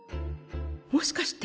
もしかして。